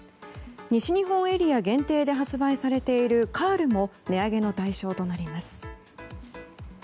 西日本エリア限定で発売されているカールも値上げの対象となります。